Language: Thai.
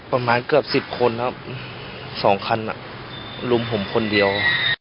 ประมาณเกือบสิบคนอ่ะสองคันอ่ะรุมผมคนเดียว